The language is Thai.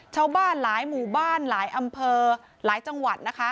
ชาวบ้านหลายหมู่บ้านหลายอำเภอหลายจังหวัดนะคะ